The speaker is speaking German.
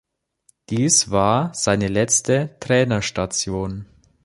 Dies war seine letzte Trainerstation.